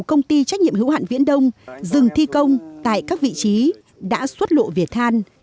công ty trách nhiệm hữu hạn viễn đông dừng thi công tại các vị trí đã xuất lộ việt than